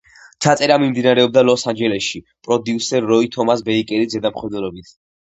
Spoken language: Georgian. ჩაწერა მიმდინარეობდა ლოს-ანჯელესში, პროდიუსერ როი თომას ბეიკერის ზედამხედველობით.